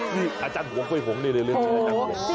นี่อาจารย์โหงโค้ยโหงนี่เรียนเรื่องเฉย